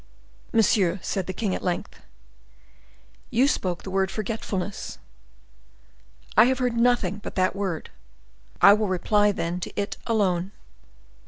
"Monsieur," said the king at length, "you spoke the word forgetfulness. I have heard nothing but that word; I will reply, then, to it alone.